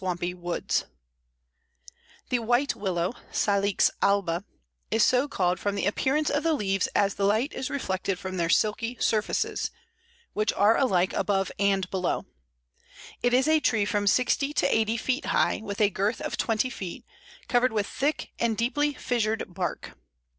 ] The White Willow (Salix alba) is so called from the appearance of the leaves as the light is reflected from their silky surfaces, which are alike above and below. It is a tree from sixty to eighty feet high, with a girth of twenty feet, covered with thick and deeply fissured bark.